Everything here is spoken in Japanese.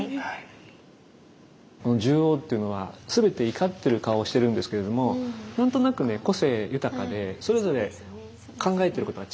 この十王っていうのは全て怒ってる顔をしてるんですけれども何となくね個性豊かでそれぞれ考えてることが違うようなね感じがしますよね。